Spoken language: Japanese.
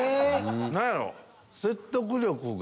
何やろ？